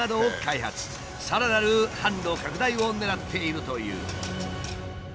さらなる販路拡大を狙っているという。